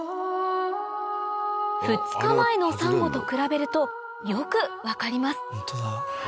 ２日前のサンゴと比べるとよく分かります